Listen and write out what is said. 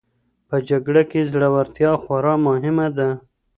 په جګړه کي زړورتیا خورا مهمه ده.